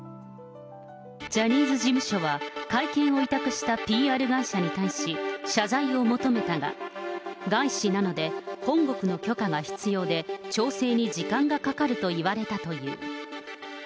ジャニーズ事務所は会見を委託したＰＲ会社に対し、謝罪を求めたが、外資なので、本国の許可が必要で、調整に時間がかかると言われたという。